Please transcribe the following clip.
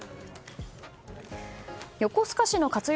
横須賀市の活用